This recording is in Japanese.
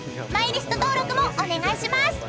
［マイリスト登録もお願いします。